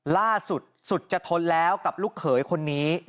ล่าสุดสุดจะทนแล้วกับลูกเขยคนนี้